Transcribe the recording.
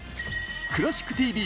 「クラシックＴＶ」